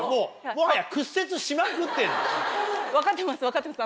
もはや。